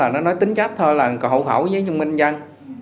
nó nói tính chấp thôi là hậu khẩu giấy chung minh dân